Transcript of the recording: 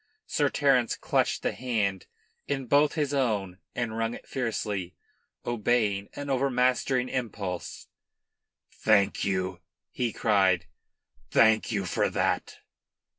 Sir Terence clutched the hand in both his own and wrung it fiercely, obeying an overmastering impulse. "Thank you," he cried. "Thank you for that!"